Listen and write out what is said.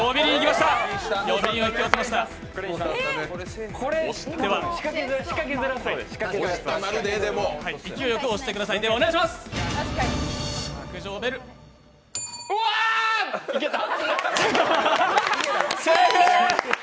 いけた。